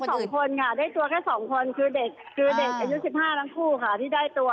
ได้ตัวแค่๒คนค่ะได้ตัวแค่๒คนคือเด็กอายุ๑๕ทั้งคู่ค่ะที่ได้ตัว